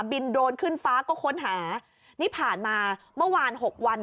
โดรนขึ้นฟ้าก็ค้นหานี่ผ่านมาเมื่อวานหกวัน